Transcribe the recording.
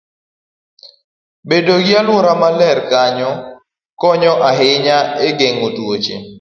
Bedo gi alwora maler konyo ahinya e geng'o tuoche.